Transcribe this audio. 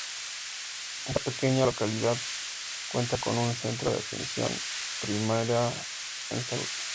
Esta pequeña localidad cuenta con un centro de atención primaria en salud.